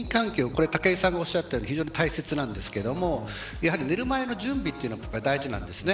これは武井さんがおっしゃったように非常に大切なんですけど寝る前の準備も大事なんです。